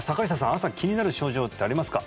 朝気になる症状ってありますか？